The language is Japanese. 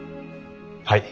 はい。